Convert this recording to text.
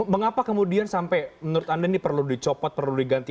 mengapa kemudian sampai menurut anda ini perlu dicopot perlu diganti